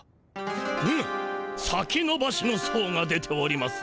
む「先のばし」の相が出ております。